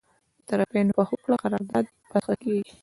د طرفینو په هوکړه قرارداد فسخه کیږي.